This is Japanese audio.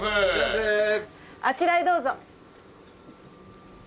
あちらへどうぞ。